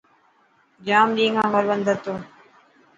ڄام ڏينهن کان گهر بندو هتو.